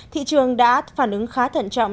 thị trường đã phản ứng khá thận trọng